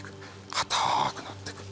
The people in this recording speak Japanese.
硬くなって来る。